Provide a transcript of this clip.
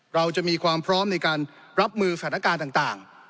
เราจะมีความพร้อมในการรับมือสถานการณ์ต่าง